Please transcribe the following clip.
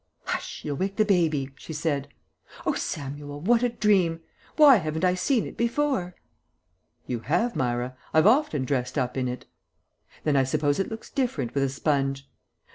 "Hush! you'll wake the baby," she said. "Oh, Samuel, what a dream! Why haven't I seen it before?" "You have, Myra. I've often dressed up in it." "Then I suppose it looks different with a sponge.